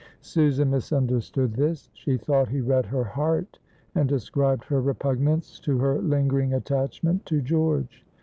Susan misunderstood this. She thought he read her heart, and ascribed her repugnance to her lingering attachment to George.